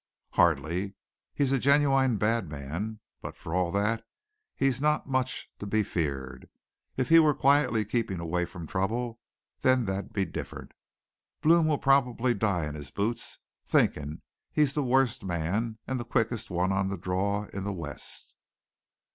"Hardly. He's a genuine bad man, but for all that he's not much to be feared. If he were quietly keeping away from trouble, then that'd be different. Blome will probably die in his boots, thinking he's the worst man and the quickest one on the draw in the West."